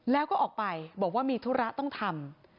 แล้วก็ออกไปบอกว่ามีธุระต้องทำ